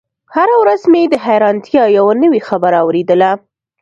هره ورځ مې د حيرانتيا يوه نوې خبره اورېدله.